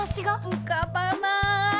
浮かばない。